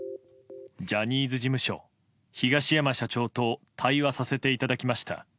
ジャニーズ事務所、東山社長と対話させていただきました。